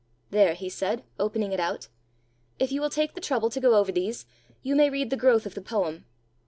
"There!" he said, opening it out; "if you will take the trouble to go over these, you may read the growth of the poem.